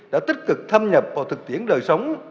đã tích cực thâm nhập vào thực tiễn đời sống